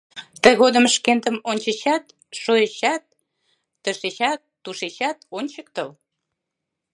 Тыгодым шкендым ончычат, шойычат, тышечат, тушечат ончыктыл...